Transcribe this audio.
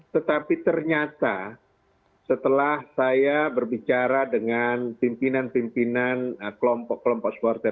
tetapi ternyata setelah saya berbicara dengan pimpinan pimpinan kelompok kelompok supporter